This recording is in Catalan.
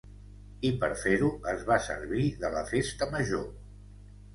I per fer-ho es va servir de la festa major.